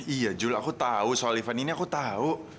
iya jul aku tahu soal event ini aku tahu